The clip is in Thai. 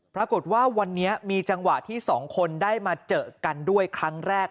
ปรากฏว่าวันนี้มีจังหวะที่สองคนได้มาเจอกันด้วยครั้งแรก